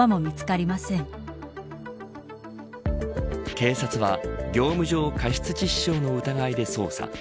警察は業務上過失致死傷の疑いで捜査。